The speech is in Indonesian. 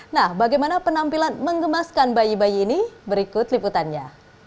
nah bagaimana penampilan mengemaskan bayi bayi ini berikut liputannya